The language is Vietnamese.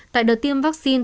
tại đợt tiêm vaccine